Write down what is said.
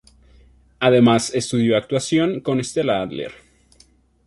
Además estudió actuación con Stella Adler.